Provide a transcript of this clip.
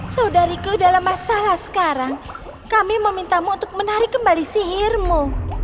saudariku dalam masalah sekarang kami memintamu untuk menarik kembali sihirmu